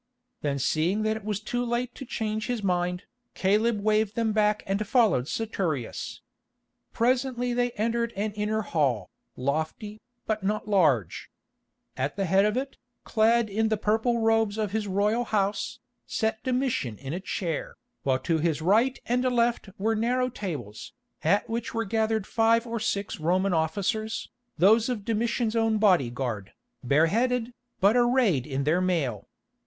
Then seeing that it was too late to change his mind, Caleb waved them back and followed Saturius. Presently they entered an inner hall, lofty, but not large. At the head of it, clad in the purple robes of his royal house, sat Domitian in a chair, while to his right and left were narrow tables, at which were gathered five or six Roman officers, those of Domitian's own bodyguard, bare headed, but arrayed in their mail.